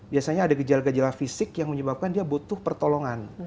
biasanya ada gejala gejala fisik yang menyebabkan dia butuh pertolongan